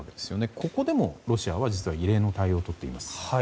ここでもロシアは実は異例の対応をとっています。